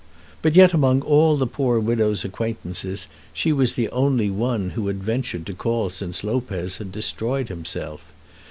But yet among all the poor widow's acquaintances she was the only one who had ventured to call since Lopez had destroyed himself.